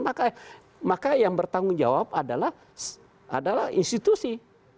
maka yang bertanggung jawab adalah institusi